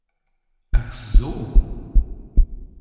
Ach so!